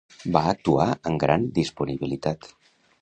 Va actuar amb gran disponibilitat.